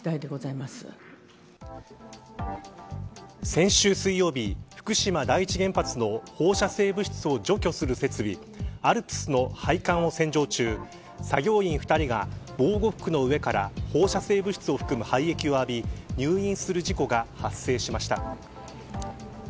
先週水曜日福島第一原発の放射性物質を除去する設備ＡＬＰＳの配管を洗浄中作業員２人が防護服の上から放射性物質を含む廃液を浴び入院する事故が発生しました。